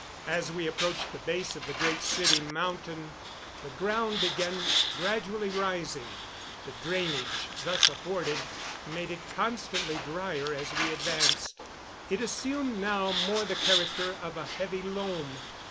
As we approached the base of the Great City mountain the ground began gradually rising. The drainage thus afforded made it constantly drier as we advanced. It assumed now more the character of a heavy loam.